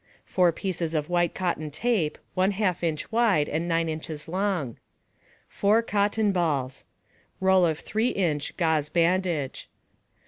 Four pieces of white cotton tape, 1/2 inch wide and 9 inches long. Four cotton balls. Roll of 3 inch gauze bandage.